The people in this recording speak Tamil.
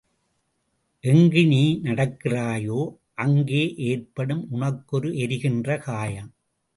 எங்கு நீ நடக்கிறாயோ அங்கே ஏற்படும் உனக்கொரு எரிகின்ற காயம்.